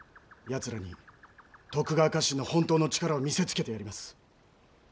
ヤツらに徳川家臣の本当の力を見せつけてやります。